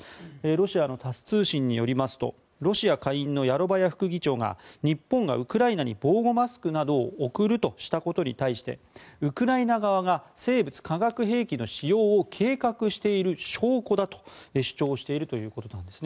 ロシアのタス通信によりますとロシア下院のヤロバヤ副議長が日本がウクライナに防護マスクなどを送るとしたことに対してウクライナ側が生物・化学兵器の使用を計画している証拠だと主張しているということです。